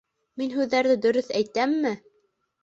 Мин һүҙҙәрҙе дөрөҫ әйтәмме?